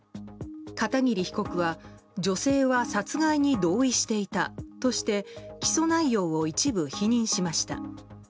片桐被告は女性は殺害に同意していたとして起訴内容を一部否認しました。